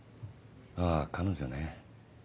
あ彼女ね。